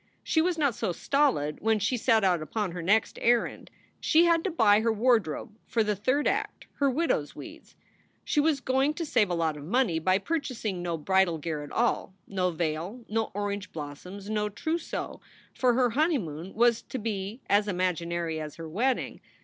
She was not so stolid when she set out upon her next errand. She had to buy her wardrobe for the third act, her widow s weeds. She was going to save a lot of money by purchasing no bridal gear at all, no veil, no orange blos soms, no trousseau, for her honeymoon was to be as imag inary as her wedding.